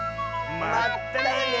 まったね！